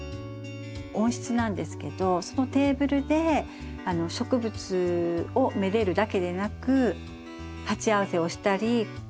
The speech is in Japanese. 温室なんですけどそのテーブルで植物をめでるだけでなく鉢合わせをしたりお茶を飲んだり。